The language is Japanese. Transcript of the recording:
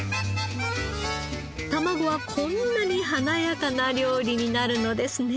たまごはこんなに華やかな料理になるのですね。